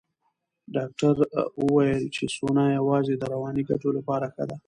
ډاکټره وویل چې سونا یوازې د رواني ګټو لپاره ښه ده.